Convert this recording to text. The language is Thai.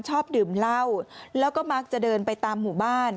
ชอบดื่มเหล้าแล้วก็มักจะเดินไปตามหมู่บ้าน